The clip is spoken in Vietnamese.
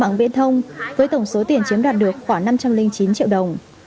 mạng viễn thông với tổng số tiền chiếm đoạt được khoảng năm trăm linh chín triệu đồng